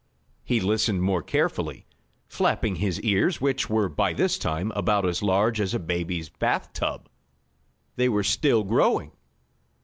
He listened more carefully, flapping his ears which were, by this time, about as large as a baby's bath tub. They were still growing.